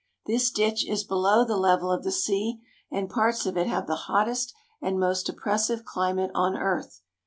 This ditch is below the level of the sea and parts of it have the hottest and most oppressive climate on earth.